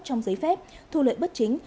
trong giấy phép thu lợi bất chính